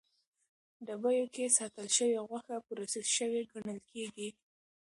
ډبیو کې ساتل شوې غوښه پروسس شوې ګڼل کېږي.